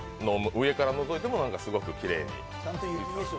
上からのぞいてもすごくきれいに。